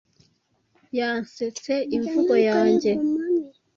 Yansetse imvugo yanjye.